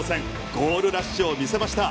ゴールラッシュを見せました。